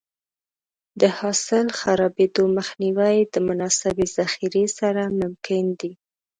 د حاصل د خرابېدو مخنیوی د مناسبې ذخیرې سره ممکن دی.